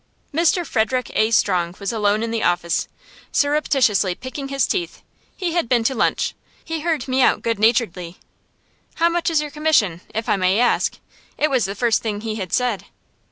Mr. Frederick A. Strong was alone in the office, surreptitiously picking his teeth. He had been to lunch. He heard me out good naturedly. "How much is your commission, if I may ask?" It was the first thing he had said.